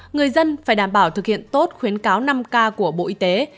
người dân phải đảm bảo thực hiện tốt khuyến cáo năm k của bộ y tế